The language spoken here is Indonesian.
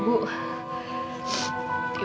ibu kasih ibu